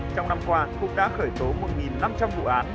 trong năm qua cũng đã khởi tố một năm trăm linh vụ án